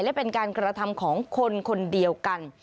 และเป็นการกระทำของคนคนเดียวกัน